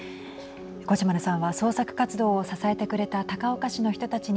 コチュマルさんは創作活動を支えてくれた高岡市の人たちに